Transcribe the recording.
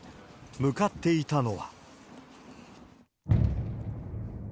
向かっていたのは。